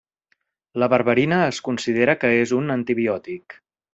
La berberina es considera que és un antibiòtic.